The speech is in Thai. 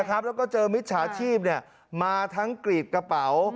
แล้วก็เจอมิจฉาชีพมาทั้งกรีดกระเป๋า